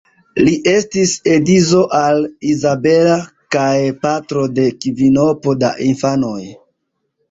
Li estis edzo al Izabela kaj patro de kvinopo da infanoj.